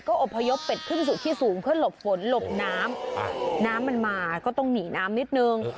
อบพยพเป็ดขึ้นสู่ที่สูงเพื่อหลบฝนหลบน้ำน้ำมันมาก็ต้องหนีน้ำนิดนึง